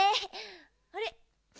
あれ？